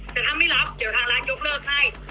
แต่ถ้าไม่รับเดี๋ยวทางร้านยกเลิกให้